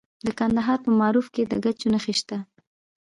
د کندهار په معروف کې د ګچ نښې شته.